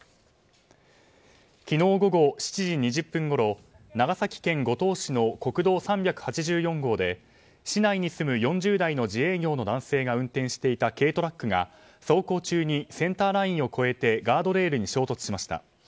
昨日午後７時２０分ごろ長崎県五島市の国道３８４号で市内に住む４０代の自営業の男性が運転していた軽トラックが走行中にセンターラインを越えてガードレールに衝突しました。